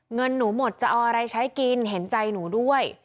เงินหนูหมดจะเอาอะไรใช้กินเห็นใจหนูด้วย